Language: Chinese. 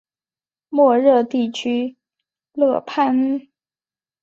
莫热地区勒潘。